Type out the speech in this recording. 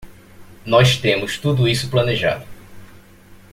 Nós temos tudo isso planejado.